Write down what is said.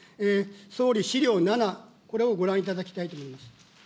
総理、資料７、これをご覧いただきたいと思います。